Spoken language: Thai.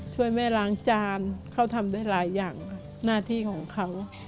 ช่วยแม่ล้างจานเขาทำได้หลายอย่างหน้าที่ของเขา